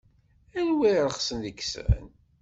Anwa i irexsen deg-sen?